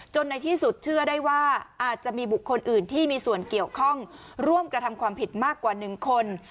ในที่สุดเชื่อได้ว่าอาจจะมีบุคคลอื่นที่มีส่วนเกี่ยวข้องร่วมกระทำความผิดมากกว่า๑คน